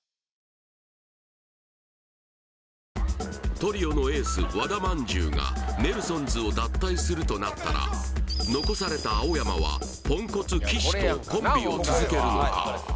トリオのエース和田まんじゅうがネルソンズを脱退するとなったら残された青山はポンコツ岸とコンビを続けるのか？